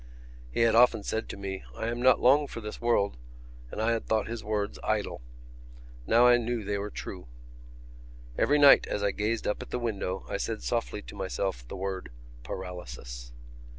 He had often said to me: "I am not long for this world," and I had thought his words idle. Now I knew they were true. Every night as I gazed up at the window I said softly to myself the word paralysis.